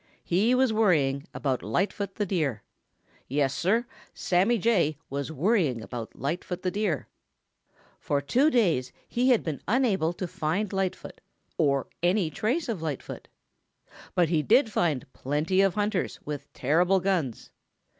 He was worrying about Lightfoot the Deer. Yes, Sir, Sammy Jay was worrying about Lightfoot the Deer. For two days he had been unable to find Lightfoot or any trace of Lightfoot. But he did find plenty of hunters with terrible guns.